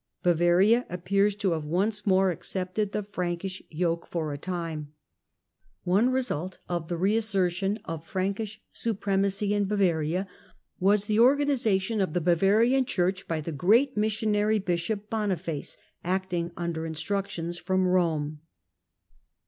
Bavaria appears to have once more accepted the Frankish yoke for a time. One result of the reassertion of Frankish supremacy in Bavaria was the organisation of the Bavarian Church by the great missionary Bishop Boniface, acting under instructions from Rome.